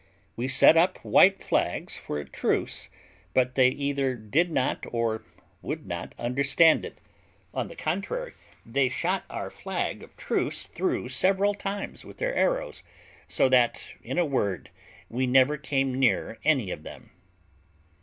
We set up white flags for a truce, but they either did not or would not understand it; on the contrary, they shot our flag of truce through several times with their arrows, so that, in a word, we never came near any of them.